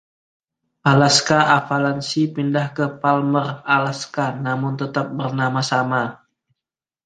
Alaska Avalanche pindah ke Palmer, Alaska, namun tetap bernama sama.